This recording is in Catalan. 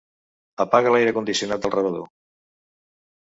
Apaga l'aire condicionat del rebedor.